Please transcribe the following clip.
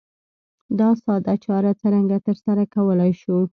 دا ساده چاره څرنګه ترسره کولای شو؟